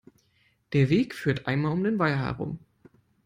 Der Weg führt einmal um den Weiher herum.